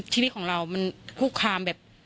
ชีวิตของเรามันหุ้กคาม